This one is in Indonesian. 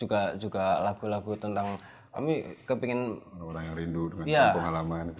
orang orang yang rindu dengan kampung halaman